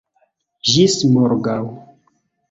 Ĝis morgaŭ!